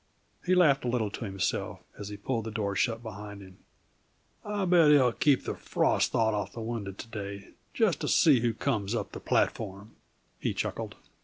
He laughed a little to himself as he pulled the door shut behind him. "I bet he'll keep the frost thawed off the window to day, just to see who comes up the platform," he chuckled.